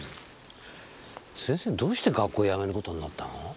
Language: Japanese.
先生どうして学校辞める事になったの？